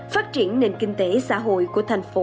phát triển nền kinh tế xã hội của thành phố